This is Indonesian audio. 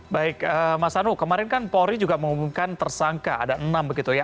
baik mas anung kemarin kan polri juga mengumumkan tersangka ada enam begitu ya